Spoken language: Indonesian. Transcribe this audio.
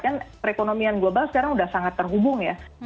kan perekonomian global sekarang sudah sangat terhubung ya